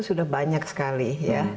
sudah banyak sekali ya